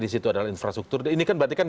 di situ adalah infrastruktur ini kan berarti kan